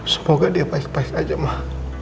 semoga dia baik baik aja mah